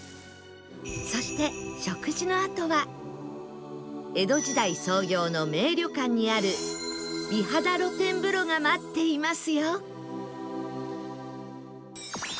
そして江戸時代創業の名旅館にある美肌露天風呂が待っていますよ